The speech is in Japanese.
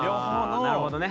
あなるほどね。